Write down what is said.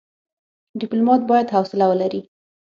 ډيپلومات بايد حوصله ولري.